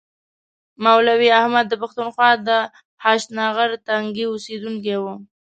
مولوي احمد د پښتونخوا د هشتنغر تنګي اوسیدونکی و.